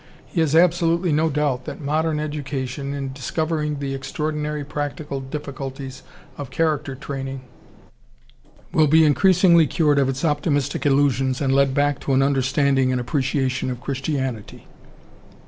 He has absolutely no doubt that modern education, in discovering the extraordinary practical difficulties of character training, will be increasingly cured of its optimistic illusions and led back to an understanding and appreciation of Christianity.